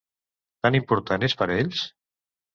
Tan important és per a ells?